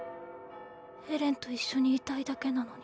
エレンと一緒にいたいだけなのに。